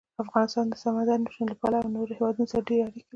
افغانستان د سمندر نه شتون له پلوه له نورو هېوادونو سره ډېرې اړیکې لري.